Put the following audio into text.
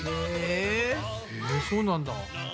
へぇそうなんだ。